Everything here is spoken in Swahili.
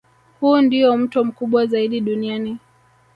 Huu ndio mto mkubwa zaidi duniani